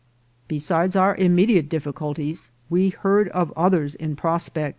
Besides our immediate difficulties, we heard of oth ers in prospect.